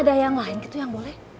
ada yang lain itu yang boleh